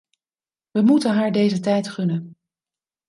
Wij moeten haar deze tijd gunnen.